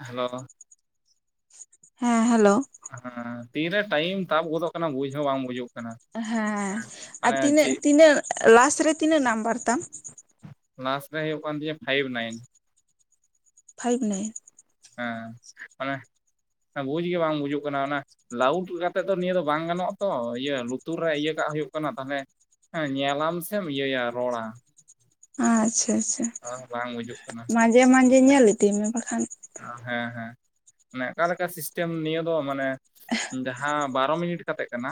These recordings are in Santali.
ᱦᱮᱞᱳᱣ᱾ ᱦᱮᱸ ᱦᱮᱞᱳᱣ᱾ ᱦᱮᱸ ᱛᱤᱨᱮ ᱴᱟᱭᱤᱢ ᱛᱟᱯ ᱜᱚᱫᱚᱜ ᱠᱟᱱᱟ ᱵᱩᱡ ᱦᱚᱸ ᱵᱟᱝ ᱵᱩᱡᱚᱜ ᱦᱮᱸ ᱟᱨ ᱛᱤᱱᱟᱹᱜ ᱛᱤᱱᱟᱹᱜ ᱞᱟᱥ ᱨᱮ ᱛᱤᱱᱟᱹᱜ ᱱᱟᱢᱵᱟᱨ ᱛᱟᱢ? ᱞᱟᱥ ᱨᱮ ᱦᱩᱭᱩᱜ ᱠᱟᱱ ᱛᱤᱧᱟᱹ ᱯᱷᱟᱭᱤᱵ ᱱᱟᱭᱤᱱ᱾ Five nine. ᱦᱮᱸ ᱚᱱᱮ ᱵᱩᱡᱽ ᱜᱮ ᱵᱟᱝ ᱵᱩᱡᱚᱜ ᱠᱟᱱᱟ ᱚᱱᱮ ᱞᱟᱣᱩᱰ ᱨᱮᱠᱟᱛᱮᱜ ᱫᱚ ᱱᱤᱭᱟᱹ ᱫᱚ ᱵᱟᱝ ᱜᱟᱱᱚᱜᱼᱟ ᱛᱚ ᱤᱭᱟᱹ ᱞᱩᱛᱩᱨ ᱨᱮ ᱤᱭᱟᱹ ᱠᱟᱜ ᱦᱩᱭᱩᱜ ᱠᱟᱱᱟ ᱛᱟᱦᱟᱞᱮ ᱦᱮᱸ ᱧᱮᱞᱟᱢ ᱥᱮ ᱤᱭᱟᱹᱭᱟ ᱨᱚᱲᱟ᱾ ᱟᱪᱷᱟ ᱟᱪᱷᱟ ᱵᱟᱝ ᱵᱩᱡᱩᱜ ᱠᱟᱱᱟ ᱢᱟᱡᱷᱮ ᱢᱟᱡᱷᱮ ᱧᱮᱞ ᱤᱫᱤ ᱢᱮ ᱵᱟᱠᱷᱟᱱ᱾ ᱚ ᱦᱮᱸ ᱦᱮᱸ ᱢᱟᱱᱮ ᱚᱠᱟᱞᱮᱠᱟ ᱥᱤᱥᱴᱮᱢ ᱱᱤᱭᱟᱹ ᱫᱚ ᱢᱟᱱᱮ ᱡᱟᱦᱟᱸ ᱵᱟᱨᱚ ᱢᱤᱱᱤᱴ ᱠᱟᱛᱮᱜ ᱠᱟᱱᱟ᱾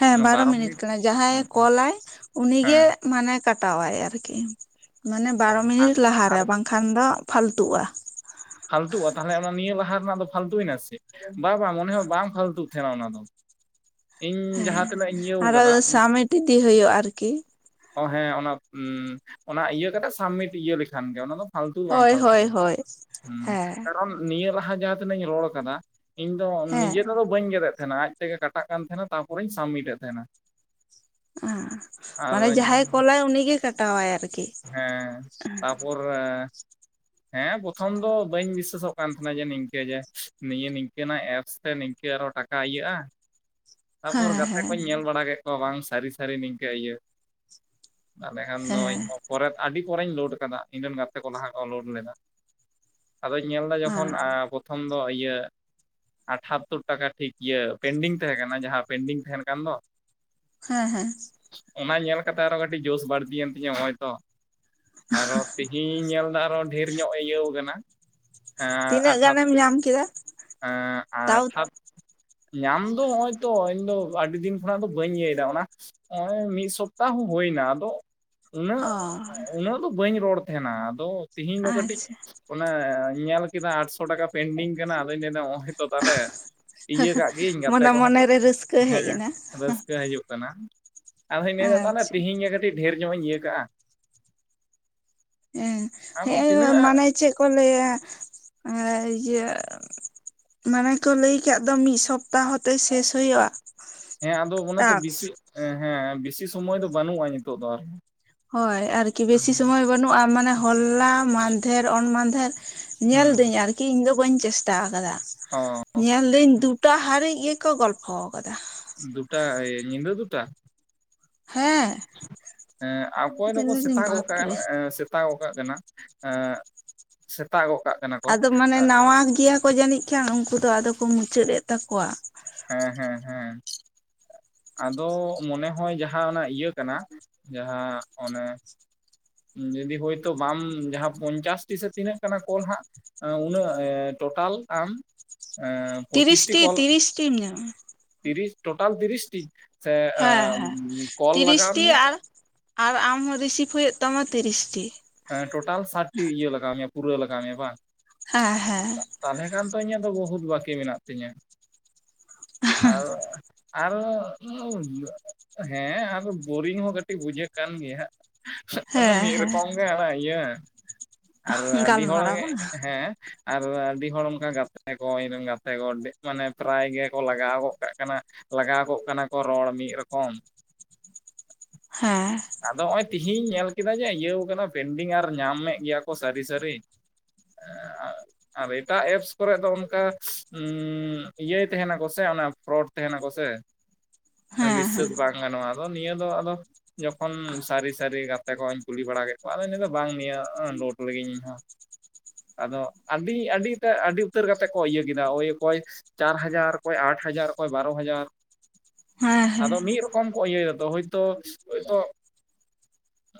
ᱦᱮᱸ ᱵᱟᱨᱚ ᱢᱤᱱᱤᱴ ᱠᱟᱱᱟᱭ ᱡᱟᱦᱟᱸᱭᱮ ᱠᱚᱞᱟᱭ ᱩᱱᱤᱜᱮ ᱦᱮᱸ ᱢᱟᱱᱮ ᱠᱟᱴ ᱴᱟᱣᱟᱭ ᱟᱨᱠᱤ ᱢᱟᱱᱮ ᱵᱟᱨᱚ ᱢᱤᱱᱤᱴ ᱟᱨ ᱞᱟᱦᱟᱨᱮ ᱵᱟᱝᱠᱷᱟᱱ ᱫᱚ ᱯᱷᱟᱞᱛᱩᱜᱼᱟ᱾ ᱯᱷᱟᱞᱛᱩᱼᱟ ᱛᱟᱦᱚᱞᱮ ᱚᱱᱟ ᱱᱤᱭᱟᱹ ᱞᱟᱦᱟ ᱨᱮᱱᱟᱜ ᱫᱚ ᱯᱷᱟᱞᱛᱩᱭᱮᱱᱟ ᱥᱮ ᱵᱟᱝ ᱵᱟᱝ ᱢᱚᱱᱮ ᱦᱚᱸ ᱵᱟᱝ ᱯᱷᱟᱞᱛᱩᱜ ᱛᱟᱦᱮᱱᱟ ᱚᱱᱟ ᱫᱚ᱾ ᱤᱧ ᱦᱮᱸ ᱡᱟᱦᱟᱸ ᱛᱤᱱᱟᱹᱜ ᱤᱧ ᱤᱭᱟᱹᱣ ᱟᱨ ᱠᱟᱫᱟ ᱥᱟᱢᱤᱴ ᱤᱫᱤ ᱦᱳᱭᱳᱜᱼᱟ ᱟᱨᱠᱤ᱾ ᱚ ᱦᱮᱸ ᱚᱱᱟ ᱚᱱᱟ ᱤᱭᱟᱹ ᱠᱟᱛᱮᱜ ᱥᱟᱵᱢᱤᱴ ᱤᱭᱟᱹ ᱞᱮᱠᱷᱟᱱ ᱜᱮ ᱚᱱᱟ ᱫᱚ ᱯᱷᱟᱞᱛᱩ ᱫᱚ ᱵᱟᱝ ᱦᱳᱭ ᱯᱷᱟᱞᱛᱩ ᱦᱳᱭ ᱦᱳᱭ ᱦᱩᱸ ᱦᱮᱸ ᱠᱟᱨᱚᱱ ᱱᱤᱭᱟᱹ ᱞᱟᱦᱟ ᱡᱟᱦᱟᱸ ᱛᱤᱱᱟᱹᱜᱧ ᱨᱚᱲ ᱠᱟᱫᱟ᱾ ᱤᱧ ᱫᱚ ᱦᱮᱸ ᱱᱤᱡᱮ ᱛᱮᱫᱚ ᱵᱟᱹᱧ ᱜᱮᱫᱮᱫ ᱛᱟᱦᱮᱸᱱᱟ ᱟᱡᱛᱮ ᱜᱮ ᱠᱟᱴᱟᱜ ᱠᱟᱱ ᱛᱟᱦᱮᱱᱟ ᱛᱟᱨᱯᱚᱨᱮᱧ ᱥᱟᱵᱢᱤᱴ ᱮᱫ ᱛᱟᱦᱮᱱᱟ᱾ ᱚᱸ ᱢᱟᱱᱮ ᱟᱨᱤᱧ ᱡᱟᱦᱟᱸᱭ ᱠᱚᱞᱟᱭ ᱩᱱᱤᱜᱮ ᱠᱟᱴᱟᱣᱟᱭ ᱟᱨᱠᱤ᱾ ᱦᱮᱸ ᱛᱟᱯᱚᱨ ᱮᱸ ᱦᱮᱸ ᱯᱨᱚᱛᱷᱚᱢ ᱫᱚ ᱵᱟᱹᱧ ᱵᱤᱥᱟᱹᱥᱚᱜ ᱠᱟᱱ ᱛᱟᱦᱮᱸᱱᱟ ᱡᱮ ᱱᱤᱝᱠᱟᱹ ᱡᱮ ᱱᱤᱭᱟᱹ ᱱᱤᱝᱠᱟᱹᱱᱟᱜ ᱮᱯᱥ ᱛᱮ ᱱᱤᱝᱠᱟᱹ ᱟᱨᱦᱚ ᱴᱟᱠ ᱠᱟ ᱤᱭᱟᱹᱜᱼᱟ᱾ ᱛᱟᱨᱯᱚᱨ ᱦᱮᱸ ᱜᱟᱛᱮ ᱦᱮᱸ ᱠᱚᱧ ᱧᱮᱞ ᱵᱟᱲᱟ ᱠᱮᱜ ᱠᱚᱣᱟ ᱵᱟᱝ ᱥᱟᱹᱨᱤ ᱥᱟᱹᱨᱤ ᱱᱤᱝᱠᱟᱹ ᱤᱭᱟᱹ ᱛᱟᱦᱞᱮ ᱠᱷᱟᱱ ᱫᱚ ᱦᱮᱸ ᱤᱧ ᱯᱚᱨᱮ ᱟᱹᱰᱤ ᱯᱚᱨᱮᱧ ᱞᱳᱰ ᱠᱟᱫᱟ ᱤᱧ ᱨᱮᱱ ᱜᱟᱛᱮ ᱠᱚ ᱞᱟᱦᱟ ᱠᱚ ᱞᱳᱰ ᱞᱮᱫᱟ ᱟᱫᱚᱧ ᱧᱮᱞᱫᱟ ᱡᱚᱠᱷᱚᱱ ᱟᱻ ᱯᱨᱚᱛᱷᱚᱢ ᱫᱚ ᱤᱭᱟᱹ ᱟᱴᱷᱟᱛᱳᱨ ᱴᱟᱠᱟ ᱴᱷᱤᱠ ᱤᱭᱟᱹ ᱯᱮᱱᱰᱤᱝ ᱛᱟᱦᱮᱸ ᱠᱟᱱᱟ ᱡᱟᱦᱟᱸ ᱯᱮᱱᱰᱤᱝ ᱛᱟᱦᱮᱱ ᱠᱟᱱ ᱫᱚ ᱦᱮᱸ ᱦᱮᱸ ᱚᱱᱟ ᱧᱮᱞ ᱠᱟᱛᱮᱜ ᱟᱨᱚ ᱠᱟᱹᱴᱤᱡ ᱡᱳᱥ ᱵᱟᱹᱲᱛᱤᱭᱮᱱ ᱛᱤᱧᱟᱹ ᱱᱚᱜ-ᱚᱭ ᱛᱚ ᱟᱨᱚ ᱛᱮᱦᱤᱧ ᱧᱮᱞᱫᱟ ᱟᱨᱚ ᱰᱷᱮᱨ ᱧᱚᱜ ᱤᱭᱟᱹᱣ ᱠᱟᱱᱟ ᱟᱴᱷᱟᱛᱚ ᱜᱚᱝᱠᱮ ᱮᱸ ᱟᱴᱷᱟᱛᱚ ᱧᱟᱢ ᱫᱚ ᱱᱚᱜ-ᱚᱭ ᱛᱚ ᱤᱧ ᱫᱚ ᱟᱹᱰᱤ ᱫᱤᱱ ᱠᱷᱚᱱᱟᱜ ᱫᱚ ᱵᱟᱹᱧ ᱤᱭᱟᱹᱭᱮᱫᱟ ᱚᱱᱟ ᱱᱚᱜ-ᱚᱭ ᱢᱤᱫ ᱥᱚᱯᱛᱟᱦ ᱦᱚᱸ ᱦᱩᱭᱱᱟ ᱟᱫᱚ ᱩᱱᱟᱹᱜ ᱚ ᱩᱱᱟᱹᱜ ᱫᱚ ᱵᱟᱹᱧ ᱨᱚᱲ ᱛᱟᱦᱮᱱᱟ ᱟᱫᱚ ᱛᱮᱦᱤᱧ ᱫᱚ ᱠᱟᱹᱴᱤᱡ ᱟᱪᱪᱷᱟ ᱚᱱᱟ ᱧᱮᱞ ᱠᱮᱫᱟ ᱟᱴᱥᱚ ᱴᱟᱠᱟ ᱯᱮᱱᱰᱤᱝ ᱠᱟᱱᱟ ᱟᱫᱚᱧ ᱞᱟᱹᱭ ᱫᱟ ᱚ ᱦᱚᱭᱛᱳ ᱛᱟᱦᱚᱞᱮ ᱤᱭᱟᱹ ᱠᱟᱜ ᱜᱤᱭᱟᱹᱧ ᱜᱟᱛᱮ ᱢᱟᱱᱮ ᱠᱚᱦᱚᱸ ᱢᱚᱱᱮᱨᱮ ᱨᱟᱹᱥᱠᱟᱹ ᱦᱮᱡ ᱮᱱᱟ ᱦᱮᱸ ᱨᱟᱹᱥᱠᱟᱹ ᱦᱤᱡᱩᱜ ᱠᱟᱱᱟ ᱟᱫᱚᱧ ᱞᱟᱹᱭᱫᱟ ᱛᱟᱦᱚᱞᱮ ᱟᱪᱪᱷᱟ ᱛᱤᱦᱤᱧ ᱜᱟ ᱠᱟᱹ ᱟᱹᱰᱤ ᱰᱷᱮᱨ ᱧᱚᱜ ᱤᱧ ᱤᱭᱟᱹ ᱠᱟᱜ-ᱟ ᱦᱮᱸ ᱟᱫᱚ ᱦᱮᱸ ᱛᱤᱱᱟᱹᱜ ᱢᱟᱱᱮ ᱪᱮᱫ ᱠᱚ ᱞᱟᱹᱭᱟ ᱟᱨ ᱤᱭᱟᱹ ᱢᱟᱱᱮ ᱠᱚ ᱞᱟᱹᱭ ᱟᱠᱟᱫ ᱫᱚ ᱢᱤᱫ ᱥᱚᱯ ᱥᱚᱯᱛᱟᱦᱚᱛᱮ ᱥᱮᱥ ᱦᱩᱭᱩᱜ-ᱟ ᱟᱫᱚ ᱚᱱᱮ ᱛᱚ ᱴᱟᱠᱥ ᱵᱮᱥᱤ ᱦᱮᱸ ᱦᱮᱸ ᱵᱮᱥᱤ ᱥᱚᱢᱚᱭ ᱫᱚ ᱵᱟᱹᱱᱩᱜ-ᱟ ᱱᱤᱛᱚᱜ ᱫᱚ ᱟᱨ ᱦᱳᱭ ᱟᱨᱠᱤ ᱵᱮᱥᱤ ᱥᱚᱢᱚᱭ ᱵᱟᱹᱱᱩᱜ-ᱟ ᱢᱟᱱᱮ ᱦᱚᱞᱟ ᱢᱟᱫᱷᱮᱨ ᱚᱱ ᱢᱟᱫᱷᱮᱨ ᱦᱩᱸ ᱧᱮᱞᱫᱟᱹᱧ ᱟᱨᱠᱤ ᱤᱧ ᱫᱚ ᱵᱟᱹᱧ ᱪᱮᱥᱴᱟ ᱟᱠᱟᱫᱟ ᱚ ᱧᱮᱞᱫᱟᱹᱧ ᱫᱩᱴᱟ ᱦᱟᱹᱨᱤᱡ ᱜᱮᱠᱚ ᱜᱚᱞᱯᱷᱚ ᱟᱠᱟᱫᱟ ᱫᱩᱴᱟ ᱧᱤᱫᱟᱹ ᱫᱩᱴᱟ ᱦᱮᱸ ᱚᱠᱚᱭ ᱫᱚᱠᱚ ᱥᱮᱛᱟᱜᱚᱜ ᱵᱟᱯᱨᱮ ᱠᱟᱛᱷᱟ ᱥᱮ ᱥᱮᱛᱟᱜ ᱠᱟᱜ ᱠᱟᱱᱟ ᱮᱜ ᱥᱮᱛᱟᱜᱚᱜ ᱠᱟᱜ ᱠᱟᱱᱟ ᱠᱚ ᱟᱫᱚ ᱢᱟᱱᱮ ᱱᱟᱣᱟ ᱜᱮᱭᱟ ᱠᱚ ᱡᱟᱹᱱᱤᱡ ᱠᱷᱟᱱ ᱩᱱᱠᱩ ᱫᱚ ᱟᱫᱚ ᱠᱚ ᱢᱩᱪᱟᱹᱫ ᱮᱫ ᱛᱟᱠᱚᱣᱟ ᱦᱮᱸ ᱦᱮᱸ ᱦᱮᱸ ᱟᱫᱚ ᱢᱚᱱᱮ ᱦᱚᱭ ᱡᱟᱦᱟᱸ ᱚᱱᱟ ᱤᱭᱟᱹ ᱠᱟᱱᱟ ᱡᱟᱦᱟᱸ ᱚᱱᱮ ᱡᱩᱫᱤ ᱦᱳᱭᱛᱳ ᱵᱟᱢ ᱡᱟᱦᱟᱸ ᱯᱚᱧᱪᱟᱥᱴᱤ ᱥᱮ ᱛᱤᱱᱟᱹᱜ ᱠᱟᱱᱟ ᱠᱚᱞ ᱦᱟᱸᱜ ᱩᱱᱟᱹᱜ ᱴᱳᱴᱟᱞ ᱟᱢ ᱯᱚᱸᱪᱤᱥᱴᱤ ᱠᱚᱞ ᱪᱤᱢ ᱧᱟᱢᱟ ᱛᱤᱨᱤᱥ ᱴᱳᱴᱟᱞ ᱛᱤᱨᱤᱥ ᱴᱤ ᱦᱮᱸ ᱦᱮᱸ ᱛᱤᱨᱤᱥ ᱴᱤ ᱢᱮᱭᱟ ᱟᱨ ᱟᱢ ᱦᱚ ᱨᱤᱥᱤᱵ ᱦᱩᱭᱩᱜ ᱛᱟᱢᱟ ᱛᱤᱨᱤᱥᱴᱤ ᱦᱮᱸ ᱴᱳᱴᱟᱞ ᱥᱟᱴ ᱴᱤ ᱤᱭᱟᱹ ᱞᱟᱜᱟᱣ ᱢᱮᱭᱟ ᱯᱩᱨᱟᱹ ᱞᱟᱜᱟᱣ ᱢᱮᱭᱟ ᱵᱟᱝ ᱦᱮᱸ ᱦᱮᱸ ᱛᱟᱦᱚᱞᱮ ᱠᱷᱟᱱ ᱛᱚ ᱤᱧᱟᱹᱜ ᱫᱚ ᱵᱚᱦᱩᱛ ᱵᱟᱠᱤ ᱢᱮᱱᱟᱜ ᱛᱤᱧᱟ ᱟᱨ ᱦᱮᱸ ᱟᱨ ᱵᱳᱨᱤᱝ ᱦᱚᱸ ᱠᱟᱹᱴᱤᱡ ᱵᱩᱡᱷᱟᱹᱜ ᱠᱟᱱ ᱜᱮᱭᱟ ᱟᱫᱚ ᱦᱮᱸ ᱢᱤᱫ ᱦᱮᱸ ᱨᱚᱠᱚᱢ ᱜᱮ ᱟᱨ ᱟᱹᱰᱤ ᱦᱚᱲ ᱜᱟᱞᱢᱟᱨᱟᱣ ᱵᱟᱝ ᱦᱮᱸ ᱟᱨ ᱟᱹᱰᱤ ᱦᱚᱲ ᱚᱱᱠᱟ ᱜᱟᱛᱮ ᱟᱠᱟ ᱤᱧ ᱨᱮᱱ ᱜᱟᱛᱮ ᱠᱚ ᱢᱟᱱᱮ ᱯᱮᱨᱟᱭ ᱜᱮ ᱠᱚ ᱞᱟᱜᱟᱣ ᱜᱚᱜ ᱠᱟᱜ ᱠᱟᱱᱟ ᱞᱟᱜᱟᱣ ᱠᱚᱜ ᱠᱟᱱᱟ ᱠᱚ ᱨᱚᱲ ᱢᱤᱫ ᱨᱚᱠᱚᱢ ᱦᱮᱸ ᱟᱫᱚ ᱱᱚᱜ-ᱚᱭ ᱛᱤᱦᱤᱧ ᱧᱮᱞ ᱠᱮᱫᱟ ᱡᱮ ᱤᱭᱟᱹᱣ ᱠᱟᱱᱟ ᱯᱮᱱᱰᱤᱝ ᱟᱨ ᱧᱟᱢᱮᱫ ᱜᱮᱭᱟ ᱠᱚ ᱥᱟᱹᱨᱤ ᱥᱟᱹᱨᱤ ᱟᱨ ᱮᱴᱟᱜ ᱮᱯᱥ ᱠᱚᱨᱮ ᱫᱚ ᱚᱱᱠᱟ ᱤᱭᱟᱹᱭ ᱛᱟᱦᱮᱱᱟᱠᱚ ᱥᱮ ᱚᱱᱟ ᱯᱷᱨᱚᱰ ᱛᱟᱦᱮᱱᱟᱠᱚ ᱥᱮ ᱦᱮᱸ ᱦᱮᱸ ᱵᱤᱥᱥᱟᱹᱥ ᱵᱟᱝ ᱜᱟᱱᱚᱜ-ᱟ ᱟᱫᱚ ᱱᱤᱭᱟᱹ ᱫᱚ ᱟᱫᱚ ᱡᱚᱠᱷᱚᱱ ᱥᱟᱹᱨᱤ ᱥᱟᱹᱨᱤ ᱜᱟᱛᱮ ᱠᱚᱧ ᱠᱩᱞᱤ ᱵᱟᱲᱟ ᱠᱮᱫ ᱠᱚᱣᱟ ᱟᱫᱚᱧ ᱞᱟᱭ ᱫᱚ ᱵᱟᱝ ᱤᱭᱟ ᱞᱳᱰ ᱞᱤᱜᱤᱧ ᱤᱧ ᱦᱚ [unintelligible] ᱟᱫᱚ ᱟᱹᱰᱤ [unintelligible] ᱴᱟᱜ ᱟ. ᱰᱤ ᱩᱛᱟᱹᱨ ᱠᱟᱛᱮ ᱠᱚ ᱤᱭᱟ ᱠᱮᱫᱟ ᱳᱭ ᱚᱠᱚᱭ ᱪᱟᱨ ᱦᱟᱡᱟᱨ ᱚᱠᱚᱭ ᱟᱴ ᱦᱟᱡᱟᱨ ᱚᱠᱚᱭ ᱵᱟᱨᱚ ᱦᱟᱡᱟᱨ ᱦᱮᱸ ᱦᱮᱸ ᱟᱫᱚ ᱢᱤᱫ ᱨᱚᱠᱚᱢ ᱠᱚ ᱤᱭᱟ. ᱫᱚ ᱦᱳᱭᱛᱳ [unintelligible]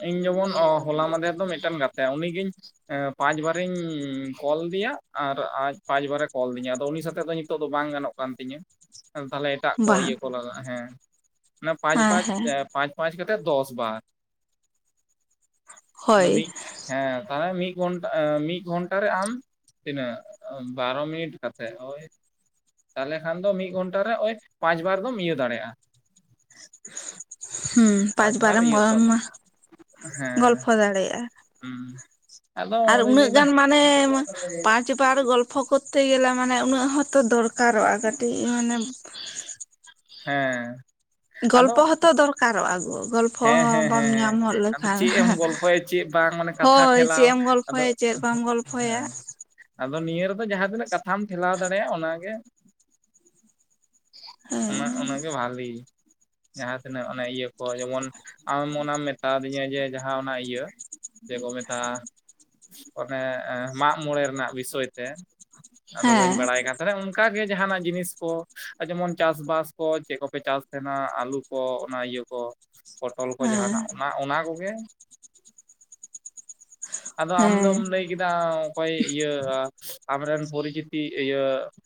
ᱤᱧ ᱡᱮᱢᱚᱱ ᱦᱚᱞᱟ ᱢᱟᱫᱷᱮᱨ ᱫᱚ ᱢᱤᱫᱴᱮᱱ ᱜᱟᱛᱮ ᱩᱱᱤᱜᱤᱧ ᱯᱟᱸᱪ ᱵᱟᱨᱤᱧ ᱠᱚᱞ ᱟᱫᱮᱭᱟ ᱟᱨ ᱟᱡ ᱯᱟᱸᱪ ᱵᱟᱨᱮ ᱠᱚᱞ ᱟᱫᱤᱧᱟ ᱟᱫᱚ ᱩᱱᱤ ᱥᱟᱛᱮᱜ ᱫᱚ ᱱᱤᱛᱚᱜ ᱫᱚ ᱵᱟᱝ ᱜᱟᱱᱚᱜ ᱠᱟᱱ ᱛᱤᱧᱟᱹ ᱛᱟᱦᱚᱞᱮ ᱮᱴᱟᱜ ᱠᱚ ᱵᱟᱝ ᱤᱭᱟᱹ ᱠᱚ ᱞᱟᱜᱟᱜᱼᱟ ᱦᱮᱸ ᱚᱱᱟ ᱯᱟᱸᱪ ᱦᱮᱸ ᱯᱟᱸᱪ ᱦᱮᱸ ᱯᱟᱸᱪ ᱯᱟᱸᱪ ᱠᱟᱛᱮᱫ ᱫᱚᱥ ᱵᱟᱨ [unintelligible] ᱚᱱᱟ ᱦᱳᱭ ᱢᱤᱫ ᱦᱮᱸ ᱛᱟᱦᱚᱞᱮ ᱢᱤᱫ ᱜᱷᱚᱱᱴᱟ [unintelligible] [unintelligible] ᱨᱮ ᱟᱢ ᱛᱤᱱᱟᱹᱜ ᱵᱟᱨᱚ ᱢᱤᱱᱤᱴ ᱠᱟᱛᱮ ᱳᱭ ᱛᱟᱦᱚᱞᱮ ᱠᱷᱟᱱ ᱫᱚ ᱢᱤᱫ ᱜᱷᱚᱱᱴᱟ ᱨᱮ ᱳᱭ ᱯᱟᱸᱪ ᱵᱟᱨ ᱫᱚᱢ ᱤᱭᱟᱹ ᱫᱟᱲᱮᱭᱟᱜᱼᱟ [unintelligible] ᱦᱩᱸ ᱯᱟᱸᱪ ᱵᱟᱨ ᱵᱟᱨᱮᱢ ᱤᱭᱟᱹᱜ ᱛᱟᱢᱟ [unintelligible] ᱦᱮᱸ ᱜᱚᱞᱯᱷᱚ ᱫᱟᱲᱮᱭᱟᱜᱼᱟ ᱦᱩᱸ ᱟᱫᱚ [unintelligible] ᱟᱨ ᱟᱫᱚᱧ ᱩᱱᱟᱹᱜ ᱞᱟᱹᱭᱫᱟ ᱜᱟᱱ ᱢᱟᱱᱮ [unintelligible] ᱯᱟᱸᱪ ᱵᱟᱨ ᱜᱚᱞᱯᱷᱚ ᱠᱚᱨᱛᱮ ᱜᱮᱞᱮ ᱢᱟᱱᱮ ᱩᱱᱟᱹᱜ ᱦᱚᱛᱚ ᱫᱚᱨᱠᱟᱨᱚᱜᱼᱟ ᱠᱟᱴ ᱤᱡ ᱢᱟᱱᱮ ᱦᱮᱸ᱾ ᱟᱫᱚ ᱜᱚᱞᱯᱚ ᱦᱚᱛᱚ ᱫᱚᱨᱠᱟᱨᱚᱜᱟ ᱜᱳ ᱜᱚᱞᱯᱚ ᱦᱮᱸ ᱦᱚᱸ ᱦᱮᱸ ᱵᱟᱢ ᱦᱮᱸ ᱦᱮᱸ ᱧᱟᱢ ᱦᱚᱜ ᱟᱫᱚ ᱞᱮᱠᱷᱟᱱ ᱪᱮᱫ ᱮᱢ ᱜᱚᱞᱯᱷᱚᱭᱟ ᱪᱮᱫ ᱵᱟᱝ ᱢᱟᱱᱮ [unintelligible] ᱠᱟᱛᱷᱟ ᱦᱳᱭ ᱴᱷᱮᱞᱟᱣ ᱪᱮᱫ ᱮᱢ ᱜᱚᱞᱯᱷᱚ ᱟᱫᱚ ᱪᱮᱫ ᱵᱟᱢ ᱜᱚᱞᱯᱷᱚᱭᱟ ᱟᱫᱚ ᱱᱤᱭᱟᱹ ᱨᱮᱫᱚ ᱡᱟᱦᱟᱸ ᱛᱤᱱᱟᱹᱜ ᱠᱟᱛᱷᱟᱢ ᱴᱷᱮᱞᱟᱣ ᱫᱟᱲᱮᱭᱟᱜᱼᱟ ᱚᱱᱟᱜᱮ ᱚᱱᱟ ᱦᱮᱸ ᱚᱱᱟᱜᱮ ᱵᱷᱟᱞᱤ [unintelligible] ᱡᱟᱦᱟᱸ ᱛᱤᱱᱟᱹᱜ ᱚᱱᱮ ᱤᱭᱟᱹ ᱠᱚ ᱡᱮᱢᱚᱱ ᱟᱢ ᱚᱱᱟᱢ ᱢᱮᱛᱟ ᱫᱤᱧᱟ ᱡᱮ ᱡᱟᱦᱟᱸ ᱚᱱᱟ ᱤᱭᱟᱹ [unintelligible] ᱪᱮᱫ ᱠᱚ ᱢᱮᱛᱟᱜᱼᱟ [unintelligible] ᱚᱱᱮ ᱢᱟᱜ ᱢᱚᱬᱮ ᱨᱮᱱᱟᱜ ᱵᱤᱥᱚᱭ ᱛᱮ [unintelligible] ᱟᱫᱚ ᱵᱟᱹᱧ ᱦᱮᱸ ᱵᱟᱲᱟᱭ ᱠᱟᱱ ᱛᱟᱞᱦᱮ ᱚᱱᱠᱟ ᱜᱮ ᱡᱟᱦᱱᱟᱜ ᱡᱤᱱᱤᱥ ᱠᱚ ᱡᱮᱢᱚᱱ ᱪᱟᱥ ᱵᱟᱥ ᱠᱚ ᱪᱮᱫ ᱠᱚᱯᱮ ᱪᱟᱥ ᱛᱟᱦᱮᱱᱟ ᱟᱞᱩ ᱠᱚ ᱚᱱᱟ ᱤᱭᱟᱹ ᱠᱚ ᱯᱚᱴᱚᱞ ᱠᱚ ᱦᱮᱸ ᱡᱟᱦᱱᱟᱜ ᱚᱱᱟ [unintelligible] ᱠᱚᱜᱮ ᱟᱫᱚ ᱟᱢ ᱦᱮᱸ ᱫᱚᱢ ᱞᱟᱹᱭ ᱠᱮᱫᱟ ᱚᱠᱚᱭ ᱤᱭᱟᱹ ᱟᱢᱨᱮᱱ ᱯᱚᱨᱤᱪᱤᱛᱤ ᱤᱭᱟᱹ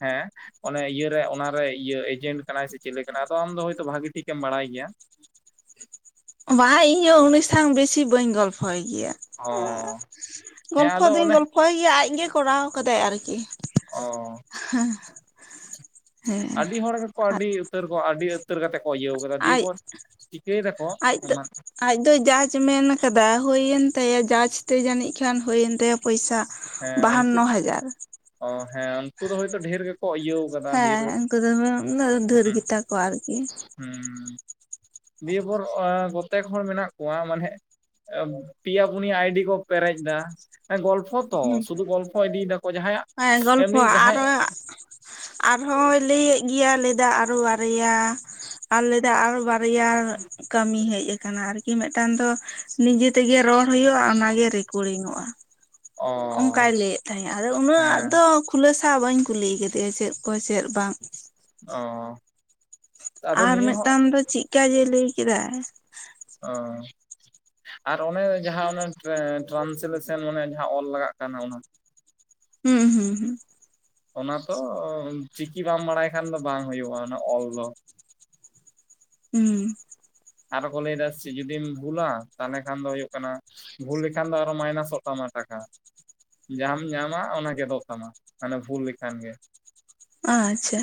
ᱦᱮᱸ ᱚᱱᱮ ᱤᱭᱟᱹᱨᱮ ᱚᱱᱟᱨᱮ ᱤᱭᱟᱹ ᱮᱡᱮᱱᱴ ᱠᱟᱱᱟᱭ ᱥᱮ ᱪᱤᱞᱮ ᱠᱟᱱᱟᱭ ᱟᱫᱚ ᱟᱢᱫᱚ ᱦᱚᱭᱛᱚ ᱵᱷᱟᱜᱤ ᱴᱷᱤᱠᱮᱢ ᱵᱟᱲᱟᱭ ᱜᱮᱭᱟ ᱵᱟᱝ ᱤᱧ ᱦᱚ ᱩᱱᱤ ᱥᱟᱣ ᱵᱮᱥᱤ ᱵᱟᱹᱧ ᱜᱚᱞᱯᱷᱚᱭ ᱜᱮᱭᱟ ᱚ ᱦᱮᱸ [unintelligible] ᱦᱮᱸ ᱜᱚᱞᱯᱷᱚ ᱟᱫᱚ ᱫᱚᱧ ᱚᱱᱮ ᱜᱚᱞᱯᱷᱚᱭ ᱜᱮᱭᱟ ᱟᱡᱜᱮ ᱠᱚᱨᱟᱣ ᱟᱠᱟᱫᱟᱭ ᱟᱨᱠᱤ ᱚ [unintelligible] ᱟᱹᱰᱤ ᱦᱚᱲ ᱜᱮᱠᱚ ᱟᱹᱰᱤ ᱩᱛᱟᱹᱨ ᱠᱚ ᱟᱹᱰᱤ ᱩᱛᱟᱹᱨ ᱠᱟᱛᱮ ᱠᱚ ᱤᱭᱟᱹᱣ ᱟᱠᱟᱫᱟ ᱟᱡ ᱫᱤᱭᱮᱯᱚᱨ [unintelligible] ᱪᱤᱠᱟᱹᱭ ᱮᱫᱟᱠᱚ ᱟᱡ ᱫᱚ [unintelligible] ᱟᱡ ᱫᱚᱭ ᱡᱟᱡᱽ ᱢᱮᱱ ᱟᱠᱟᱫᱟ ᱦᱩᱭᱮᱱ ᱛᱟᱭᱟ ᱡᱟᱡᱽ ᱛᱮ ᱡᱟᱹᱱᱤᱡ ᱠᱷᱟᱱ ᱦᱩᱭᱮᱱ ᱛᱟᱭᱟ ᱯᱚᱭᱥᱟ ᱦᱮᱸ ᱩᱱᱠᱩ ᱵᱟᱦᱟᱱᱚ ᱦᱟᱡᱟᱨ ᱚ ᱦᱮᱸ ᱩᱱᱠᱩ ᱫᱚ ᱦᱳᱭᱛᱳ ᱰᱷᱮᱨ ᱜᱮᱠᱚ ᱤᱭᱟᱹ ᱦᱮᱸ ᱩᱱᱠᱩ ᱫᱚᱢᱮ [unintelligible] ᱫᱷᱟᱹᱨ ᱜᱮ ᱛᱟᱠᱚᱣᱟ ᱟᱨᱠᱤ ᱦᱩᱸ ᱫᱤᱭᱮᱯᱚᱨ ᱠᱚᱛᱮᱠ ᱦᱚᱲ ᱢᱮᱱᱟᱜ ᱠᱚᱣᱟ ᱢᱟᱱᱮ ᱯᱮᱭᱟ ᱯᱩᱱᱤᱭᱟ ᱟᱭᱰᱤ ᱠᱚ ᱯᱮᱨᱮᱡ ᱮᱫᱟ ᱜᱚᱞᱯᱷᱚ ᱛᱚ ᱥᱩᱫᱷᱩ ᱜᱚᱞᱯᱷᱚ ᱤᱫᱤᱭ ᱮᱫᱟᱠᱚ ᱡᱟᱦᱟᱸ ᱦᱮᱸ ᱜᱚᱞᱯᱚ ᱟᱨᱚ ᱟᱨᱦᱚᱸᱭ ᱞᱟᱹᱭ ᱮᱜ ᱜᱮᱭᱟ ᱞᱟᱹᱭ ᱮᱫᱟ ᱟᱨᱚ ᱵᱟᱨᱭᱟ [unintelligible] ᱟᱨ ᱞᱟᱭ ᱫᱟᱭ ᱟᱨᱚ [unintelligible] [unintelligible] ᱠᱟᱹᱢᱤ ᱦᱮᱡ ᱟᱠᱟᱱᱟ ᱟᱨᱠᱤ ᱢᱤᱫᱴᱟᱱ ᱫᱚ ᱱᱤᱡᱮ ᱛᱮᱜᱮ ᱨᱚᱲ ᱦᱩᱭᱩᱜᱼᱟ ᱚᱱᱟᱜ ᱜᱮ ᱨᱮᱠᱚᱲᱤᱝᱚᱜᱼᱟ ᱚ ᱚᱱᱠᱟᱭ ᱞᱟᱹᱭᱮᱫ ᱛᱟᱦᱮᱸᱫ-ᱟ ᱟᱫᱚ ᱩᱱᱟᱹᱜ ᱦᱮᱸ ᱫᱚ ᱠᱷᱩᱞᱟᱹ ᱥᱟᱶ ᱵᱟᱹᱧ ᱠᱩᱞᱤ ᱟᱠᱟᱫᱮᱭᱟ ᱪᱮᱫ ᱠᱚ ᱪᱮᱫ ᱵᱟᱝ ᱚ ᱟᱫᱚ ᱟᱨ ᱱᱤᱭᱟᱹ ᱦᱚᱸ ᱢᱤᱫᱴᱟᱝ ᱫᱚ ᱪᱮᱫ ᱠᱟ ᱡᱮ ᱞᱟᱹᱭ ᱠᱮᱫᱟ ᱚ [unintelligible] ᱟᱨ ᱚᱱᱮ ᱡᱟᱦᱟᱸ ᱚᱱᱟ ᱴᱨᱟᱱᱥᱞᱮᱥᱚᱱ ᱢᱟᱱᱮ ᱡᱟᱦᱟᱸ ᱚᱞ ᱞᱟᱜᱟᱜ ᱠᱟᱱᱟ ᱚᱱᱟ ᱦᱩᱸ ᱦᱩᱸ ᱦᱩᱸ ᱚᱱᱟ ᱛᱚ ᱪᱤᱠᱤ ᱵᱟᱢ ᱵᱟᱲᱟᱭ ᱠᱷᱟᱱ ᱫᱚ ᱵᱟᱝ ᱦᱩᱭᱩᱜᱼᱟ ᱚᱱᱟ ᱚᱞ ᱫᱚ ᱦᱩᱸ ᱟᱨ ᱠᱚ ᱞᱟᱹᱭ ᱫᱟ ᱪᱮᱫ ᱡᱩᱫᱤᱢ ᱵᱷᱩᱞᱟ ᱛᱟᱦᱚᱞᱮ ᱠᱷᱟᱱ ᱫᱚ ᱦᱩᱭᱩᱜ ᱠᱟᱱᱟ ᱵᱷᱩᱞ ᱞᱮᱠᱷᱟᱱ ᱫᱚ ᱟᱨᱚ ᱢᱟᱭᱱᱟᱥᱚᱜ ᱛᱟᱢᱟ ᱴᱟᱠᱟ ᱡᱟᱦᱟᱸᱟᱢ ᱧᱟᱢᱟ ᱚ ᱜᱮᱫᱚᱜ ᱛᱟᱢᱟ ᱢᱟᱱᱮ ᱵᱷᱩᱞ ᱞᱮᱠᱷᱟᱱ ᱜᱮ ᱟᱪᱪᱷᱟ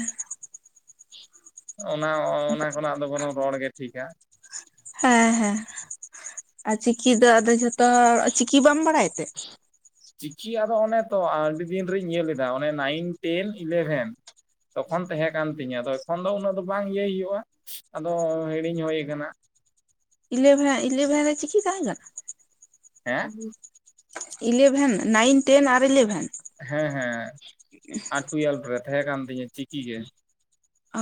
ᱚᱱᱟ ᱚᱱᱟ ᱠᱷᱚᱱᱟᱜ ᱫᱚ ᱵᱚᱨᱚᱢ ᱨᱚᱲ ᱜᱮ ᱴᱷᱤᱠᱟ ᱦᱮᱸ ᱦᱮᱸ ᱟᱨ ᱪᱤᱠᱤ ᱫᱚ ᱟᱫᱚ ᱡᱚᱛᱚ ᱪᱤᱠᱤ ᱵᱟᱢ ᱵᱟᱲᱟᱭ ᱛᱮ ᱪᱤᱠᱤ ᱟᱫᱚ ᱚᱱᱮ ᱛᱚ ᱟᱹᱰᱤ ᱫᱤᱱ ᱨᱤᱧ ᱧᱮᱞ ᱞᱮᱫᱟ ᱚᱱᱮ ᱱᱟᱭᱤᱱ ᱴᱮᱱ ᱤᱞᱮᱵᱷᱮᱱ ᱛᱚᱠᱷᱚᱱ ᱛᱟᱦᱮᱸ ᱠᱟᱱ ᱛᱤᱧᱟᱹ ᱟᱫᱚ ᱮᱠᱷᱚᱱ ᱫᱚ ᱩᱱᱟᱹᱜ ᱫᱚ ᱵᱟᱝ ᱤᱭᱟᱹᱭ ᱦᱩᱭᱩᱜᱼᱟ ᱟᱫᱚ ᱦᱤᱲᱤᱧ ᱦᱚᱭ ᱟᱠᱟᱱᱟ ᱤᱞᱮᱵᱷᱮᱱ ᱤᱞᱮᱵᱷᱮᱱ ᱨᱮ ᱪᱤᱠᱤ ᱛᱟᱦᱮᱸ ᱠᱟᱱᱟ ᱦᱮᱸ ᱤᱞᱵᱷᱮᱱ ᱱᱟᱭᱤᱱ ᱴᱮᱱ ᱟᱨ ᱤᱞᱵᱷᱮᱱ ᱦᱮᱸ ᱦᱮᱸ ᱟᱨ ᱴᱩᱭᱮᱞᱵᱷ ᱨᱮ ᱛᱟᱦᱮᱸ ᱠᱟᱱ ᱛᱤᱧᱟ ᱪᱤᱠᱤ ᱜᱮ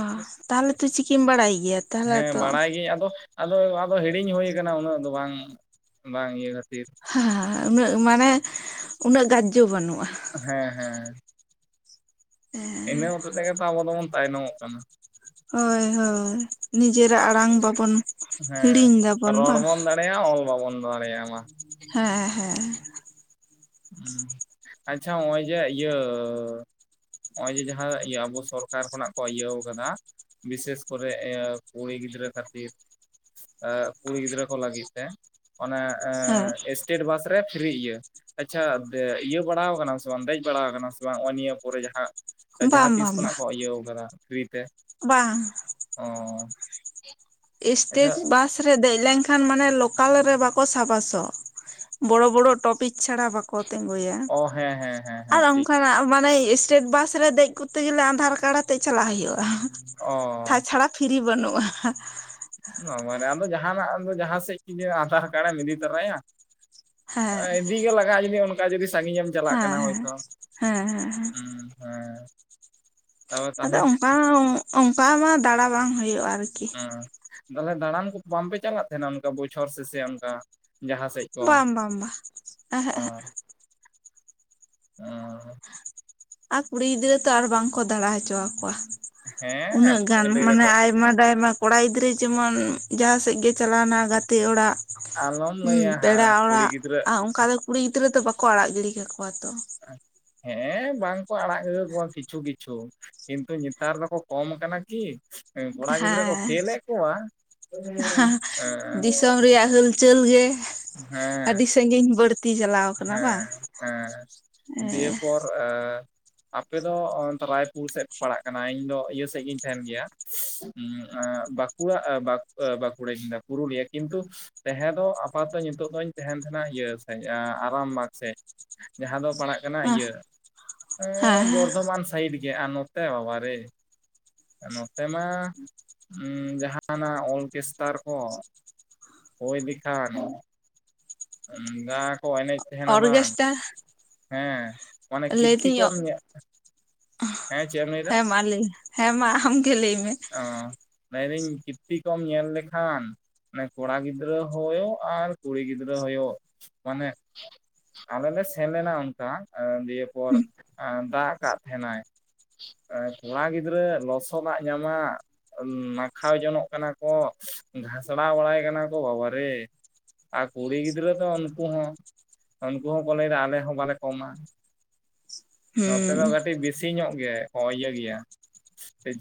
ᱚ ᱛᱟᱦᱚᱞᱮ ᱛᱚ ᱪᱤᱠᱤᱢ ᱵᱟᱲᱟᱭ ᱜᱮᱭᱟ ᱛᱟᱦᱚᱞᱮ ᱛᱚ ᱤᱧ ᱟᱫᱚ ᱟᱫᱚ ᱟᱫᱚ ᱦᱤᱲᱤᱧ ᱦᱩᱭ ᱠᱟᱱᱟ ᱩᱱᱟᱹᱜ ᱫᱚ ᱵᱟᱝ ᱵᱟᱝ ᱤᱭᱟᱹ ᱠᱷᱟᱹᱛᱤᱨ ᱦᱮᱸ ᱩᱱᱟᱹᱜ ᱢᱟᱱᱮ ᱩᱱᱟᱹᱜ ᱜᱟᱡᱡᱚ ᱵᱟᱹᱱᱩᱜᱼᱟ ᱦᱮᱸ ᱦᱮᱸ ᱤᱱᱟᱹ ᱦᱚᱛᱮ ᱛᱮᱜᱮ ᱛᱚ ᱟᱵᱚ ᱫᱚᱵᱚᱱ ᱛᱟᱭᱱᱚᱢᱚᱜ ᱠᱟᱱᱟ ᱦᱳᱭ ᱦᱳᱭ ᱱᱤᱡᱮᱨᱟᱜ ᱟᱲᱟᱝ ᱵᱟᱵᱚᱱ ᱦᱤᱲᱤᱧ ᱫᱟᱵᱚᱱ ᱨᱚᱲ ᱵᱟᱝ [unintelligible] ᱚᱞ ᱵᱟ ᱵᱚᱱ ᱫᱟᱬᱮᱭᱟᱜ-ᱟ ᱢᱟ ᱦᱮᱸ ᱦᱮᱸ ᱦ ᱟᱪᱪᱷᱟ ᱱᱚᱜᱼᱚᱭ ᱡᱮ ᱤᱭᱟᱹ ᱱᱚᱜᱼᱚᱭ ᱡᱮ ᱡᱟᱦᱟᱸ ᱤᱭᱟᱹ ᱟᱵᱚ ᱥᱚᱨᱠᱟᱨ ᱠᱷᱚᱱᱟᱜ ᱠᱚ ᱤᱭᱟᱹᱣ ᱟᱠᱟᱫᱟ ᱵᱤᱥᱮᱥ ᱠᱚᱨᱮ ᱮᱭᱟᱹ ᱠᱩᱲᱤ ᱜᱤᱫᱽᱨᱟᱹ ᱠᱷᱟᱹᱛᱤᱨ ᱠᱩᱲᱤ ᱜᱤᱫᱽᱨᱟᱹ ᱠᱚ ᱞᱟᱹᱜᱤᱫ ᱛᱮ ᱚᱱᱮ ᱦᱮᱸ ᱮᱥᱴᱮᱴ ᱵᱟᱥ ᱨᱮ ᱯᱷᱨᱤ ᱤᱭᱟᱹ ᱟᱪᱪᱷᱟ ᱤᱭᱟᱹ ᱵᱟᱲᱟ ᱟᱠᱟᱱᱟᱢ ᱥᱮ ᱵᱟᱝ ᱫᱮᱡ ᱵᱟᱲᱟ ᱟᱠᱟᱱᱟᱢ ᱥᱮ ᱵᱟᱝ ᱱᱚᱜᱼᱚᱭ ᱱᱤᱭᱟᱹ ᱠᱚᱨᱮ ᱡᱟᱦᱟᱸ ᱡᱟᱦᱟᱸ ᱵᱟᱝ ᱛᱤᱥ ᱵᱟᱝ ᱠᱷᱚᱱᱟᱜ ᱵᱟᱝ ᱠᱚ ᱤᱭᱟᱹᱣ ᱟᱠᱟᱫᱟ ᱯᱷᱨᱤᱛᱮ ᱵᱟᱝ ᱚᱻ ᱥᱴᱮᱴ ᱵᱟᱥ ᱨᱮ ᱫᱮᱡ ᱞᱮᱱᱠᱷᱟᱱ ᱢᱟᱱᱮ ᱞᱚᱠᱟᱞ ᱨᱮ ᱵᱟᱠᱚ ᱥᱟᱵᱟᱥᱚ ᱵᱚᱲᱚ ᱵᱚᱲᱚ ᱴᱚᱯᱤᱠ ᱪᱷᱟᱲᱟ ᱵᱟᱠᱚ ᱠᱚ ᱛᱮᱸᱜᱳᱭᱟ ᱚ ᱦᱮᱸ ᱦᱮᱸ ᱦᱮᱸ ᱟᱨ ᱦᱮᱸ ᱴᱷᱤᱠ ᱚᱱᱠᱟᱱᱟᱜ ᱢᱟᱱᱮ ᱥᱴᱮᱴ ᱵᱟᱥ ᱨᱮ ᱫᱮᱡ ᱠᱚᱛᱛᱮ ᱜᱮᱞᱮ ᱟᱸᱫᱷᱟᱨ ᱠᱟᱲ ᱟᱛᱮᱜ ᱪᱟᱞᱟᱜ ᱦᱩᱭᱩᱜᱼᱟ ᱚ ᱛᱟᱪᱷᱟᱲᱟ ᱯᱷᱤᱨᱤ ᱵᱟᱹᱱᱩᱜᱼᱟ [inaudible] ᱟᱫᱚ ᱡᱟᱦᱟᱱᱟᱜ ᱡᱟᱦᱟᱸ ᱥᱮᱫ ᱠᱤᱟᱨ ᱟᱸᱫᱷᱟᱨ ᱠᱟᱨᱰ ᱮᱢ ᱤᱫᱤ ᱛᱚᱨᱟᱭᱟ ᱦᱮᱸ ᱤᱫᱤ ᱜᱮ ᱞᱟᱜᱟᱜ-ᱟ ᱡᱩᱫᱤ ᱚᱱᱠᱟ ᱡᱩᱫᱤ ᱥᱟᱸᱜᱤᱧ ᱮᱢ ᱪᱟᱞᱟᱜ ᱦᱮᱸ ᱠᱟᱱᱟ ᱦᱮᱸ ᱦᱳᱭᱛᱳ ᱦᱮᱸ ᱦᱮᱸ ᱦᱮᱸ ᱦᱩᱸ ᱦᱮᱸ ᱛᱚᱵᱮ ᱟᱫᱚ ᱛᱟᱦᱚᱞᱮ ᱚᱱᱠᱟ ᱚᱱᱠᱟ ᱢᱟ ᱫᱟᱸᱬᱟ ᱵᱟᱝ ᱦᱩᱭᱩᱜᱼᱟ ᱟᱨᱠᱤ ᱦᱩᱸ ᱛᱟᱦᱚᱞᱮ ᱫᱟᱸᱬᱟᱱ ᱠᱚ ᱵᱟᱝᱯᱮ ᱪᱟᱞᱟᱜ ᱛᱟᱦᱮᱱᱟ ᱚᱱᱠᱟ ᱵᱚᱪᱷᱚᱨ ᱥᱮ ᱥᱮ ᱚᱱᱠᱟ ᱡᱟᱦᱟᱸ ᱥᱮᱫ ᱠᱚ ᱵᱟᱝ ᱵᱟᱝ ᱵᱟᱝ ᱦᱮᱸ ᱟᱨ ᱟᱨ ᱟᱨ ᱠᱩᱲᱤ ᱜᱤᱫᱽᱨᱟᱹ ᱛᱚ ᱟᱨ ᱵᱟᱝ ᱠᱚ ᱫᱟᱸᱬᱟ ᱦᱚᱪᱚ ᱟᱠᱚᱣᱟ ᱦᱮᱸ ᱩᱱᱟᱹᱜ ᱛᱟᱯᱚᱨᱮ ᱜᱟᱱ ᱞᱟᱹᱭ ᱢᱟᱱᱮ ᱫᱟᱠᱚ ᱟᱭᱢᱟ ᱰᱟᱭᱢᱟ ᱠᱚᱲᱟ ᱜᱤᱫᱽᱨᱟᱹ ᱡᱮᱢᱚᱱ ᱡᱟᱦᱟᱸ ᱥᱮᱫ ᱜᱮ ᱪᱟᱞᱟᱣᱱᱟ ᱜᱟᱛᱮ ᱚᱲᱟᱜ ᱟᱞᱚᱢ ᱦᱩᱸ ᱞᱟᱹᱭᱟ ᱯᱮᱲᱟ ᱦᱟᱸ ᱠᱩᱲᱤ ᱚᱲᱟᱜ ᱜᱤᱫᱽᱨᱟᱹ ᱟᱨ ᱚᱱᱠᱟ ᱫᱚ ᱠᱩᱲᱤ ᱜᱤᱫᱽᱨᱟᱹ ᱫᱚ ᱵᱟᱠᱚ ᱟᱲᱟᱜ ᱜᱤᱰᱤ ᱠᱟᱠᱚᱣᱟ ᱛᱚ ᱦᱮᱸ ᱵᱟᱝᱠᱚ ᱟᱲᱟᱜ [inaudible] ᱠᱚᱣᱟ ᱠᱤᱪᱷᱩ ᱠᱤᱪᱷᱩ ᱠᱤᱱᱛᱩ ᱱᱮᱛᱟᱨ ᱫᱚᱠᱚ ᱠᱚᱢ ᱠᱟᱱᱟ ᱠᱤ ᱠᱚᱲᱟ ᱜᱤᱫᱽᱨᱟᱹ ᱠᱚ ᱦᱮᱸ ᱯᱷᱮᱞ ᱮᱫ ᱠᱚᱣᱟ ᱦᱮᱸ [unintelligible] ᱫᱤᱥᱚᱢ ᱨᱮᱭᱟᱜ ᱦᱩᱞᱪᱟᱹᱞ ᱜᱮ ᱦᱮᱸ ᱥᱟᱸᱜᱤᱧ ᱵᱟᱹᱲᱛᱤ ᱪᱟᱞᱟᱜᱼᱟ ᱦᱮᱸ ᱦᱮᱸ ᱫᱤᱭᱮ ᱯᱚᱨ ᱟᱻ ᱟᱯᱮ ᱫᱚ ᱚᱱᱛᱮ ᱨᱟᱭᱯᱩᱨ ᱥᱮᱫ ᱯᱮ ᱯᱟᱲᱟᱜ ᱠᱟᱱᱟ ᱤᱧ ᱫᱚ ᱤᱭᱟᱹ ᱥᱮᱫ ᱜᱤᱧ ᱛᱟᱦᱮᱱ ᱜᱮᱭᱟ ᱵᱟᱸᱠᱩᱲᱟ ᱵᱟ ᱵᱟᱸᱠᱩᱲᱟ ᱡᱤᱞᱟ ᱯᱩᱨᱩᱞᱤᱭᱟ ᱠᱤᱱᱛᱩ ᱛᱟᱦᱮᱸ ᱫᱚ ᱟᱯᱟᱛᱚ ᱱᱤᱛᱚᱜ ᱫᱚᱧ ᱛᱟᱦᱮᱱ ᱠᱟᱱᱟ ᱤᱭᱟᱹᱥᱮ ᱟᱨᱟᱢ ᱵᱟᱜᱽ ᱥᱮᱫ ᱡᱟᱦᱟᱸ ᱫᱚ ᱯᱟᱲᱟᱜ ᱠᱟᱱᱟ ᱦᱮᱸ ᱤᱭᱟᱹ ᱦᱮ ᱦᱮᱸ ᱵᱚᱨᱫᱷᱚᱢᱟᱱ ᱥᱟᱭᱤᱰ ᱜᱮ ᱟᱨ ᱱᱚᱛᱮ ᱵᱟᱵᱟ ᱨᱮ ᱱᱚᱛᱮ ᱢᱟ ᱡᱟᱦᱟᱱᱟᱜ ᱚᱨᱠᱮᱥᱴᱟᱨ ᱠᱚ ᱦᱚᱭ ᱞᱮᱠᱷᱟᱱ ᱡᱟ ᱠᱚ ᱮᱱᱮᱡ ᱛᱟᱦᱮᱱᱟ ᱵᱟᱝ [unintelligible] ᱦᱮᱸ ᱢᱟᱱᱮ ᱠᱤᱨᱛᱤ ᱞᱟᱹᱭᱫᱟᱹᱧ ᱠᱚᱢ ᱦᱮᱸ ᱪᱮᱜᱮᱢ ᱦᱮᱸ ᱢᱟ ᱞᱟᱹᱭ ᱦᱮᱸ ᱢᱟ ᱟᱢᱜᱮ ᱞᱟᱹᱭ ᱢᱮ ᱚ ᱞᱟᱹᱭᱫᱟᱹᱧ ᱠᱤᱛᱛᱤ ᱠᱚᱢ ᱧᱮᱞ ᱞᱮᱠᱷᱟᱱ ᱢᱟᱱᱮ ᱠᱚᱲᱟ ᱜᱤᱫᱽᱨᱟᱹ ᱦᱳᱭᱳᱜ ᱟᱨ ᱠᱩᱲᱤ ᱜᱤᱫᱽᱨᱟᱹ ᱦᱳᱭᱳᱜ ᱢᱟᱱᱮ ᱟᱞᱮ ᱞᱮ ᱥᱮᱱ ᱞᱮᱱᱟ ᱚᱱᱠᱟ ᱫᱤᱭᱮ ᱯᱚᱨ ᱫᱟᱜ ᱟᱠᱟᱫ ᱛᱟᱦᱮᱸᱱᱟᱭ ᱠᱚᱲᱟ ᱜᱤᱫᱽᱨᱟᱹ ᱞᱚᱥᱚᱫᱟᱜ ᱡᱟᱢᱟ ᱱᱟᱠᱷᱟᱣ ᱡᱚᱱᱚᱜ ᱠᱟᱱᱟ ᱠᱚ ᱜᱷᱟᱥᱲᱟᱣ ᱵᱟᱲᱟᱭ ᱠᱟᱱᱟ ᱠᱚ ᱵᱟᱵᱟ ᱨᱮ ᱾ ᱟᱨ ᱠᱩᱲᱤ ᱜᱤᱫᱽᱨᱟᱹ ᱫᱚ ᱩᱱᱠᱩ ᱦᱚᱸ ᱩᱱᱠᱩ ᱦᱚᱸᱠᱚ ᱞᱟᱹᱭ ᱫᱟ ᱟᱞᱮ ᱦᱚᱸ ᱵᱟᱞᱮ ᱠᱚᱢᱟ ᱾ ᱱᱚᱛᱮ ᱦᱩᱸ ᱫᱚ ᱠᱟᱹᱴᱤᱡ ᱵᱤᱥᱤ ᱧᱚᱜ ᱜᱮ ᱠᱚ ᱤᱭᱟᱹ ᱜᱮᱭᱟ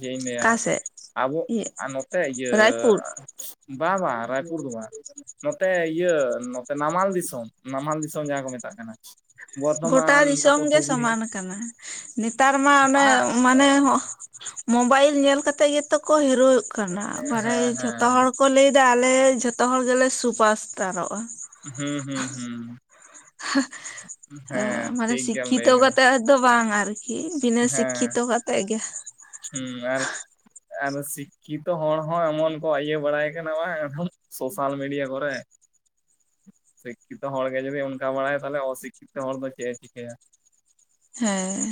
ᱪᱮᱫ ᱤᱧ ᱞᱟᱹᱭᱟ ᱚᱠᱟ ᱥᱮᱫ ᱟᱵᱚ ᱤᱭᱟᱹ ᱟᱨ ᱱᱚᱛᱮ ᱤᱭᱟᱹ ᱨᱟᱭᱯᱩᱨ ᱵᱟ ᱵᱟᱝ ᱨᱟᱭᱯᱩᱨ ᱫᱚ ᱵᱟᱝ ᱱᱚᱛᱮ ᱤᱭᱟᱹ ᱱᱚᱛᱮ ᱱᱟᱢᱟᱞ ᱫᱤᱥᱚᱢ ᱱᱟᱢᱟᱞ ᱫᱤᱥᱚᱢ ᱡᱟᱦᱟᱸ ᱠᱚ ᱢᱮᱛᱟᱜ ᱠᱟᱱᱟ ᱾ ᱜᱚᱴᱟ ᱫᱤᱥᱚᱢ ᱜᱮ ᱥᱚᱢᱟᱱ ᱟᱠᱟᱱᱟ ᱱᱮᱛᱟᱨ ᱢᱟ ᱚᱱᱮ ᱦᱮᱸ ᱢᱟᱱᱮ ᱢᱳᱵᱟᱭᱤᱞ ᱧᱮᱞ ᱠᱟᱛᱮᱜ ᱜᱮᱛᱚ ᱠᱚ ᱦᱤᱨᱚᱜ ᱠᱟᱱᱟ [unintelligible] ᱡᱚᱛᱚ ᱡᱚᱛᱚ ᱦᱮᱸ ᱦᱚᱲ ᱠᱚ ᱞᱟᱹᱭ ᱮᱫᱟ ᱟᱞᱮ ᱡᱷᱚᱛᱚ ᱦᱚᱲ ᱜᱮᱞᱮ ᱥᱩᱯᱟᱥᱴᱟᱨᱚᱜᱼᱟ ᱾ ᱦᱩᱸ ᱦᱩᱸ ᱦᱩᱸ ᱦᱮᱸ ᱢᱟᱱᱮ ᱴᱷᱤᱠ ᱜᱮᱭᱟᱢ ᱞᱟᱹᱭ ᱥᱤᱠᱠᱷᱤᱛᱚ ᱠᱟᱫᱟ ᱠᱟᱛᱮ ᱫᱚ ᱵᱟᱝ ᱟᱨᱠᱤ ᱵᱤᱱᱟᱹ ᱦᱮᱸ ᱥᱤᱠᱠᱷᱤᱛᱚ ᱠᱟᱛᱮ ᱛᱮᱜ ᱜᱮ ᱦᱩᱸ ᱟᱨ [inaudible] ᱟᱨ ᱥᱤ ᱠᱤ ᱛᱚ ᱦᱚᱲ ᱦᱚᱸ ᱮᱢᱚᱱ ᱠᱚ ᱤᱭᱟᱹ ᱵᱟᱲᱟᱭ ᱠᱟᱱᱟ ᱵᱟᱝ ᱥᱳᱥᱟᱞ ᱢᱤᱰᱤᱭᱟ ᱠᱚᱨᱮ ᱥᱤᱠᱠᱷᱤᱛᱚ ᱦᱚᱲ ᱜᱮ ᱡᱩᱫᱤ ᱚᱱᱠᱟ ᱵᱟᱲᱟᱭᱟ ᱛᱟᱦᱚᱞᱮ ᱚᱥᱤᱠᱠᱷᱤᱛᱚ ᱦᱚᱲ ᱫᱚ ᱪᱮᱫ ᱮ ᱪᱤᱠᱟᱹᱭᱟ᱾ ᱦᱮᱸ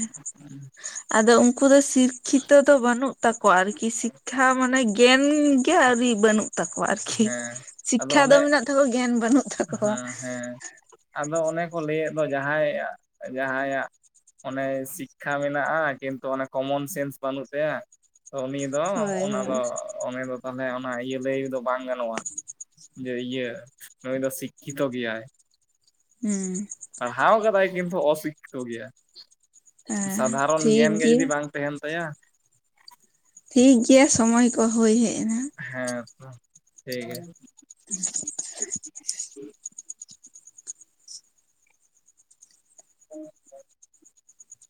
ᱟᱫᱚ ᱩᱱ ᱩᱱᱠᱩ ᱫᱚ ᱥᱤᱠᱠᱷᱤᱛᱚ ᱫᱚ ᱵᱟᱹᱱᱩᱜ ᱛᱟᱠᱚᱣᱟ ᱟᱨᱠᱤ ᱥᱤᱠᱠᱷᱟ ᱢᱟᱱᱮ ᱜᱮᱭᱱ ᱜᱮ ᱟᱹᱣᱨᱤ ᱵᱟᱹᱱᱩᱜ᱾ ᱛᱟᱠᱚᱣᱟ ᱟᱨᱠᱤ ᱦᱮᱸ ᱟᱫᱚ ᱥᱤᱠᱠᱷᱟ ᱫᱚ ᱚᱱᱮ ᱢᱮᱱᱟᱜ ᱛᱟᱠᱚ ᱜᱮᱭᱟᱱ ᱵᱟᱹᱱᱩᱜ ᱛᱟᱠᱚᱣᱟ ᱾ ᱦᱮᱸ ᱦᱮᱸ ᱟᱫᱚ ᱚᱱᱮ ᱠᱚ ᱞᱟᱹᱭ ᱮᱫ ᱫᱚ ᱡᱟᱦᱟᱸᱟᱭ ᱡᱟᱦᱟᱸᱭᱟᱜ ᱚᱱᱮ ᱥᱤᱠᱠᱷᱟ ᱢᱮᱱᱟᱜᱼᱟ, ᱠᱤᱱᱛᱩ ᱚᱱᱮ ᱠᱚᱢᱚᱱ ᱥᱮᱱᱥ ᱵᱟᱹᱱᱩᱜ ᱛᱟᱭᱟ ᱛᱚ ᱩᱱᱤᱼᱼ ᱫᱚ ᱦᱳᱭ ᱚᱱᱟ ᱫᱚ ᱦᱳᱭ ᱚᱱᱮ ᱫᱚ ᱫᱚᱢᱮ ᱚᱱᱟ ᱤᱭᱟᱹ ᱞᱟᱹᱭ ᱫᱚ ᱵᱟᱝ ᱜᱟᱱᱚᱜᱼᱟ ᱡᱮ ᱤᱭᱟᱹ, ᱱᱩᱭ ᱫᱚ ᱥᱤᱠᱠᱷᱤᱛᱚ ᱜᱮᱭᱟᱭ ᱾ ᱦᱩᱸ ᱯᱟᱲᱦᱟᱣ ᱠᱟᱫᱟᱭ ᱠᱤᱱᱛᱩ ᱚᱥᱤᱠᱛᱚ ᱜᱮᱭᱟ᱾ ᱦᱮᱸ ᱥᱟᱫᱷᱟᱨᱚᱱ ᱴᱷᱤᱠ ᱜᱮᱱ ᱜᱮ ᱜᱮᱭᱟ ᱡᱩᱫᱤ ᱵᱟᱝ ᱛᱟᱦᱮᱱ ᱛᱟᱭᱟ ᱴᱷᱤᱠ ᱜᱮᱭᱟ ᱥᱚᱢᱚᱭ ᱠᱚ ᱦᱳᱭ ᱦᱮᱡ ᱮᱱᱟ᱾ ᱦᱮᱸ ᱛᱚ ᱴᱷᱤᱠ ᱜᱮᱭᱟ᱾ ᱦᱸ [unintelligible]